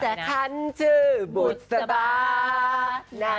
ฉันชื่อบุตสบา